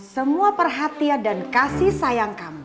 semua perhatian dan kasih sayang kamu